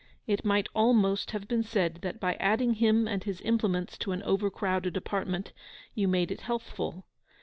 It might almost have been said that by adding him and his implements to an over crowded apartment you made it healthful.